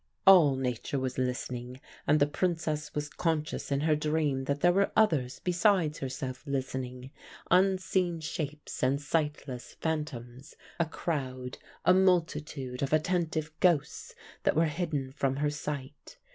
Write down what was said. All Nature was listening and the Princess was conscious in her dream that there were others besides herself listening, unseen shapes and sightless phantoms; a crowd, a multitude of attentive ghosts, that were hidden from her sight.